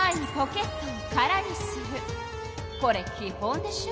これき本でしょ！